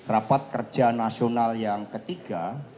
rapat kerja nasional yang ketiga